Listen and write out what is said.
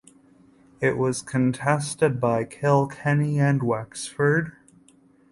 It was contested by Kilkenny and Wexford.